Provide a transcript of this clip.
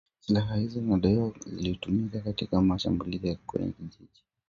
Silaha hizo zinadaiwa zilitumika katika mashambulizi kwenye vijiji